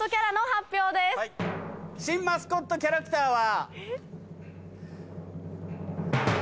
新マスコットキャラクターは。